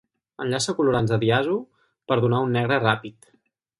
Enllaça colorants de diazo per donar un negre ràpid.